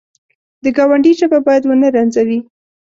د ګاونډي ژبه باید ونه رنځوي